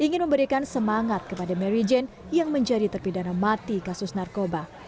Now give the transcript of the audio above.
ingin memberikan semangat kepada mary jane yang menjadi terpidana mati kasus narkoba